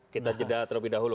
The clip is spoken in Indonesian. kita jeda terlebih dahulu